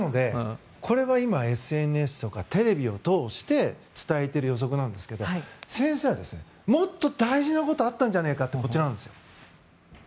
これはＳＮＳとかテレビを通して伝えている予測なんですけど先生は、もっと大事なことがあったんじゃないかと。